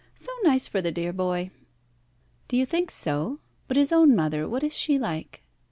So nice for the dear boy." "Do you think so? But his own mother what is she like?"